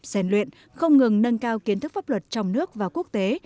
rèn luyện không ngừng nâng cao kiến thức pháp luật trong nước và quốc tế